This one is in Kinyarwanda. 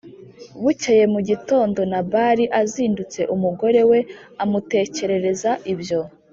Bukeye mu gitondo Nabali asindutse umugore we amutekerereza ibyo